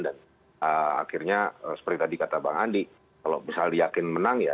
dan akhirnya seperti tadi kata bang andi kalau misalnya yakin menang ya